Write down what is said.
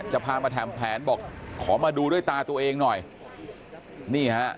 จะพามาทำแผนบอกขอมาดูด้วยตาตัวเองหน่อยนี่ฮะ